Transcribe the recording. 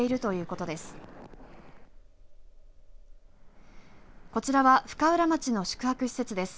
こちらは深浦町の宿泊施設です。